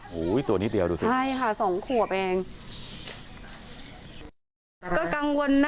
โอ้โหตัวนิดเดียวดูสิใช่ค่ะ๒ขวบเอง